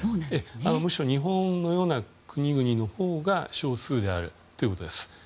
むしろ日本のような国々のほうが少数であるということです。